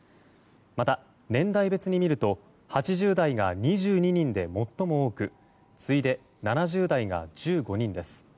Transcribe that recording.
また年代別にみると８０代が２２人で最も多く次いで７０代が１５人です。